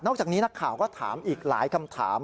จากนี้นักข่าวก็ถามอีกหลายคำถาม